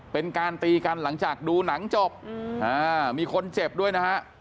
เป็นการตีกันหลังจากดูหนังจบมีคนเจ็บด้วยนะฮะ